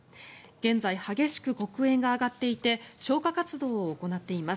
現在、激しく黒煙が上がっていて消火活動を行っています。